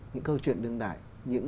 những câu chuyện đương đại